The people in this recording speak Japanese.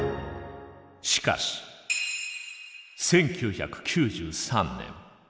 しかし１９９３年。